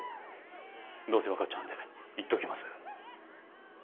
どうせわかっちゃうので言っておきます。